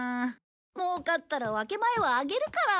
もうかったら分け前はあげるから。